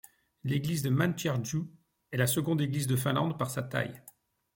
L'église de Mäntyharju est la seconde église de Finlande par sa taille.